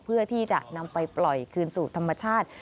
เพื่อที่จะนำไปปล่อยคืนสู่ธรรมชาติ